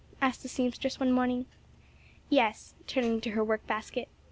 asked the seamstress, one morning. "Yes," turning to her work basket.